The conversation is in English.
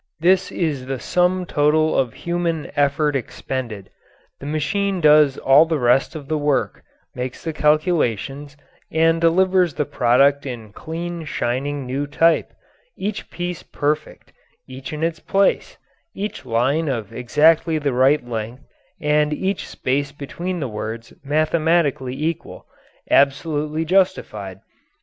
This is the sum total of human effort expended. The machine does all the rest of the work; makes the calculations and delivers the product in clean, shining new type, each piece perfect, each in its place, each line of exactly the right length, and each space between the words mathematically equal absolutely "justified."